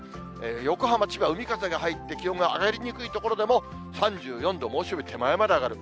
横浜、千葉、海風が入って気温が上がりにくい所でも、３４度、猛暑日手前まで上がる。